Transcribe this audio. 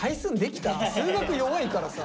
数学弱いからさ。